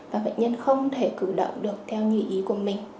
và bệnh nhân không thể cử động được theo như ý của mình